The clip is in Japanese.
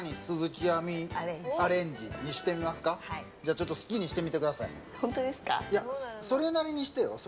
ちょっと好きにしてみてください。